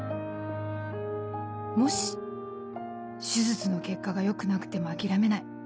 「もし手術の結果が良くなくても諦めない。